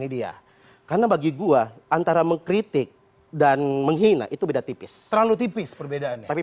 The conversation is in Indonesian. nih dia karena bagi gua antara mengkritik dan menghina itu beda tipis berbeda tapi